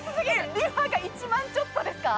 ＲｅＦａが１万ちょっとですか！？